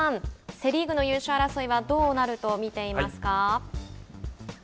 セ・リーグの優勝争いはどうなるとみていますか。